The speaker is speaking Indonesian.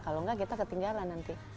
kalau enggak kita ketinggalan nanti